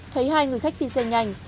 thấy hai người khách phi xe nhanh